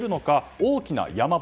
大きな山場。